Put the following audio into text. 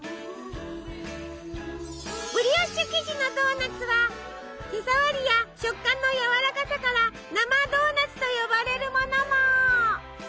ブリオッシュ生地のドーナツは手触りや食感のやわらかさから生ドーナツと呼ばれるものも。